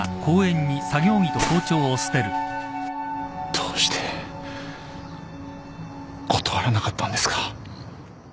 どうして断らなかったんですか？